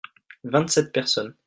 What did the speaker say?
vingt sept personnes.